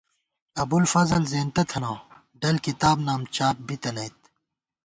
ابُوالفضل زېنتہ تھنہ ڈل کتاب نام چاپ بِی تَنَئیت